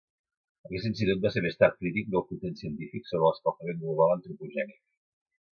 Aquest institut va ser més tard crític del consens científic sobre l'escalfament global antropogènic.